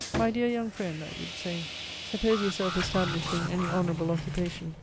"My dear young friend," (I would say) "suppose yourself established in any honourable occupation.